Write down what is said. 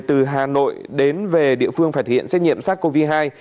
từ hà nội đến về địa phương phải thực hiện xét nghiệm sát covid một mươi chín